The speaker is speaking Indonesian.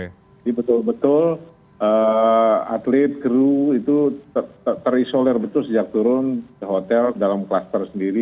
jadi betul betul atlet kru itu terisolir betul sejak turun hotel dalam klaster sendiri